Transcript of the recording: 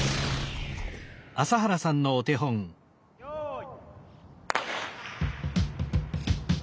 ・よい。